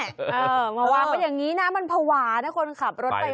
เออมาวางเป็นอย่างนี้นะมันภาวะนะคุณครับรถไปมา